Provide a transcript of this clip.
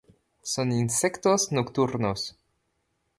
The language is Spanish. Son insectos nocturnos.